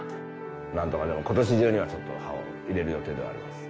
なんとか今年中にはちょっと歯を入れる予定ではあります。